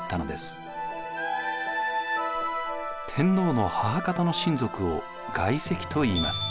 天皇の母方の親族を外戚といいます。